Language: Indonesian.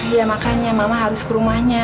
ya makanya mama harus ke rumahnya